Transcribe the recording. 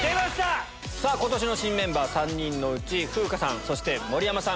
今年の新メンバー３人のうち風花さんそして盛山さん